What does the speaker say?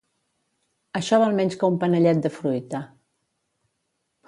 Això val menys que un panellet de fruita.